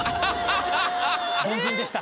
凡人でした。